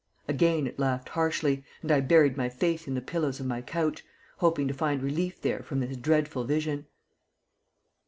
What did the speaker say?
Again it laughed harshly, and I buried my face in the pillows of my couch, hoping to find relief there from this dreadful vision.